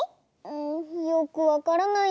んよくわからないんだ。